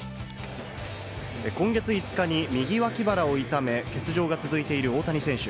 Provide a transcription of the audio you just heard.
今月５日に右脇腹を痛め、欠場が続いている大谷選手。